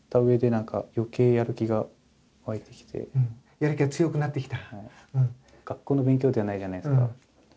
やる気が強くなってきた？